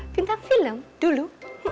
bintang film dulu